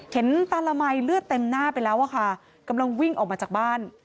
ตาละมัยเลือดเต็มหน้าไปแล้วอะค่ะกำลังวิ่งออกมาจากบ้าน